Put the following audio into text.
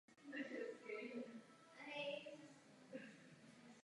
Zvykli jsme si vše ohodnocovat penězi.